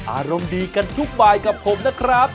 อารมณ์ดีกันทุกบายกับผมนะครับ